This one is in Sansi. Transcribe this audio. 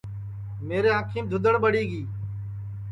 میرے انکھیم دھودؔڑ ٻڑی گی